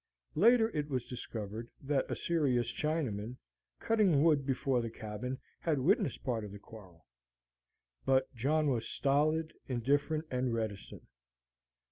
Later it was discovered that a serious Chinaman, cutting wood before the cabin, had witnessed part of the quarrel. But John was stolid, indifferent, and reticent.